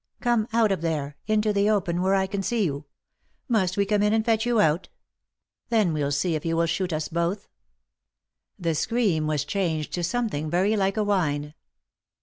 Come out of there, into the open where I can see you — must we come in and fetch you out ? Then we'll see if you will shoot us both." The scream was changed to something very like a whine.